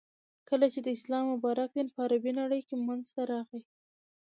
،کله چی د اسلام مبارک دین په عربی نړی کی منځته راغی.